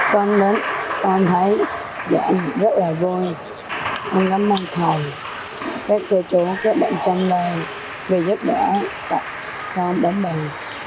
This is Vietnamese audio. con thấy rất là vui mình cảm ơn thầy các cơ chú các bạn chăm lên vì giúp đỡ cho em đón bình